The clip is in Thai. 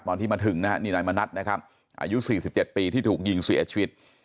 ตอนที่มาถึงนะฮะนี่นายมณัฐนะครับอายุ๔๗ปีที่ถูกยิงเสียชีวิต